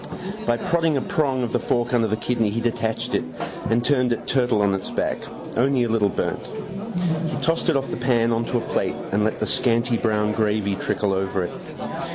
By prodding a prong of the fork under the kidney he detached it and turned it turtle on its back. Only a little burnt. He tossed it off the pan on to a plate and let the scanty brown gravy trickle over it.